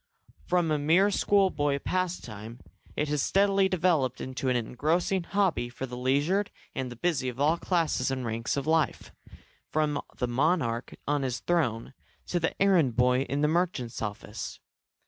From a mere schoolboy pastime it has steadily developed into an engrossing hobby for the leisured and the busy of all classes and all ranks of life, from the monarch on his throne to the errand boy in the merchant's office.